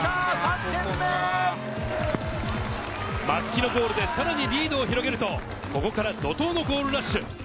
松木のゴールでさらにリードを広げると、ここから怒涛のゴールラッシュ。